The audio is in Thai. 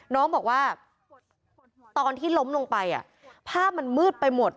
น้องบอกว่าตอนที่ล้มลงไปภาพมันมืดไปหมด